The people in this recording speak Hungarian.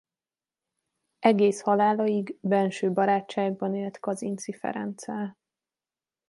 Egész halálaig benső barátságban élt Kazinczy Ferenccel.